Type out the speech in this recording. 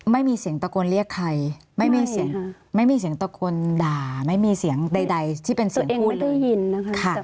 ไม่มีเสียงตะโกนเรียกใครไม่มีเสียงไม่วิ่งตะโกนด่ามั้ยมีเสียงใดที่เป็นที่ยินนะค่ะ